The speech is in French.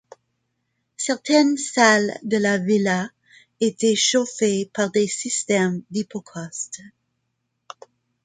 Certaines salles de la Villa étaient chauffées par des systèmes d'hypocauste.